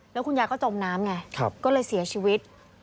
แล้วคุณยายก็จมน้ำไงก็เลยเสียชีวิต